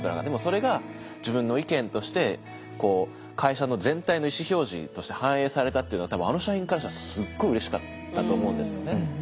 でもそれが自分の意見として会社の全体の意思表示として反映されたっていうのは多分あの社員からしたらすごいうれしかったと思うんですよね。